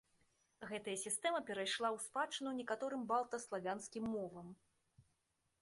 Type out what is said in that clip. Гэтая сістэма перайшла ў спадчыну некаторым балта-славянскім мовам.